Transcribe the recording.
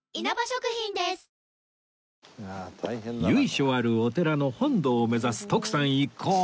由緒あるお寺の本堂を目指す徳さん一行